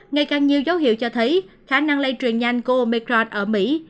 ngày càng nhiều dấu hiệu cho thấy khả năng lây truyền nhanh của omicron ở mỹ